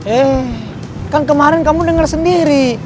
eh kan kemarin kamu dengar sendiri